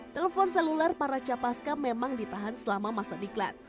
telepon seluler para capaska memang ditahan selama masa diklat